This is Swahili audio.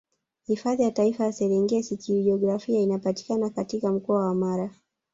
Hifadhi ya Taifa ya Serengeti Kijiografia inapatikana katika mkoa wa Mara